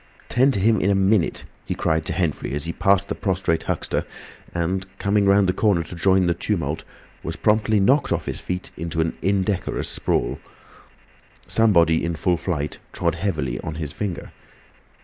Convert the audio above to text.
"'Tend to him in a minute!" he cried to Henfrey as he passed the prostrate Huxter, and, coming round the corner to join the tumult, was promptly knocked off his feet into an indecorous sprawl. Somebody in full flight trod heavily on his finger.